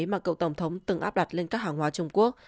mà cựu tổng thống từng áp đặt lên các hàng hóa trung quốc